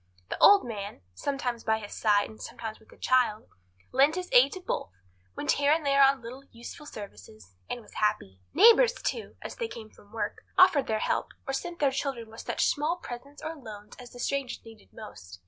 The old man, sometimes by his side and sometimes with the child, lent his aid to both, went here and there on little, useful services, and was happy. Neighbours, too, as they came from work, offered their help or sent their children with such small presents or loans as the strangers needed most.